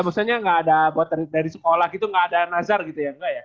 maksudnya gak ada buat dari sekolah gitu gak ada nazar gitu ya enggak ya